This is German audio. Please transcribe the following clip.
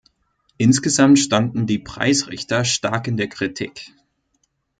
Insgesamt standen die Preisrichter stark in der Kritik.